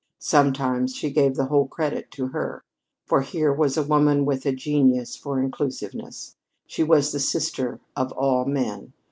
Sometimes she gave the whole credit to her. For here was a woman with a genius for inclusiveness. She was the sister of all men.